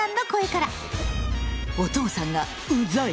お父さんが「うざい」。